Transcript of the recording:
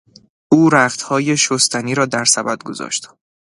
او رختهای شستنی را در سبد گذاشت.